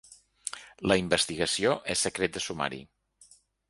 La investigació és secret de sumari.